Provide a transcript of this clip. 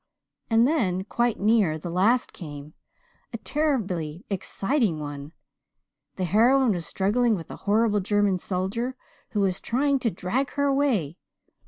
And then, quite near the last came a terribly exciting one. The heroine was struggling with a horrible German soldier who was trying to drag her away.